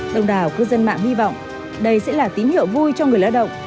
đồng đảo cư dân mạng hy vọng đây sẽ là tín hiệu vui cho người lao động